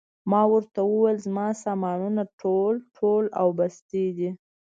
ما ورته وویل: زما سامانونه ټول، ټول او بستې دي.